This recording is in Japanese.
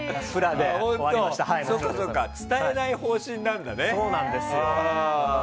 伝えない方針なんだね。